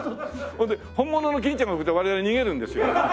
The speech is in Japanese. で本物の欽ちゃんが来たら我々逃げるんですよ。